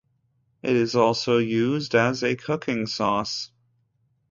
It is also used as a cooking sauce.